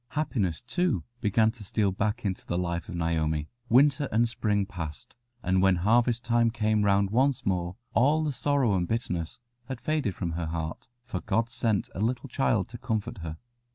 Happiness, too, began to steal back into the life of Naomi. Winter and spring passed, and when harvest time came round once more, all the sorrow and bitterness faded from her heart, for God sent a little child to comfort her.